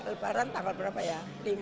lebaran tanggal berapa ya lima enam tujuh